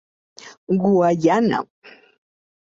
Guaiana.